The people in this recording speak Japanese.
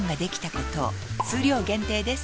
数量限定です